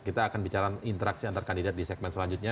kita akan bicara interaksi antar kandidat di segmen selanjutnya